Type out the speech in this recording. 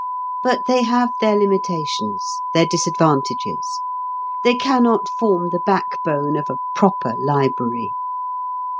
But they have their limitations, their disadvantages. They cannot form the backbone of a "proper" library.